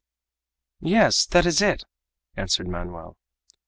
"Yes, that is it!" answered Manoel.